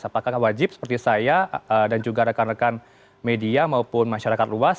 apakah wajib seperti saya dan juga rekan rekan media maupun masyarakat luas